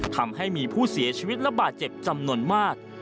ทำให้มีผู้เสียชีวิตระบาดเจ็บจำนวนมาก